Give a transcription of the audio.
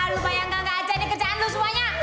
ah lumayan gak ngajain di kerjaan lo semuanya